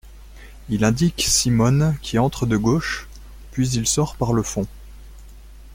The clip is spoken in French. Il indique Simone qui entre de gauche, puis il sort par le fond.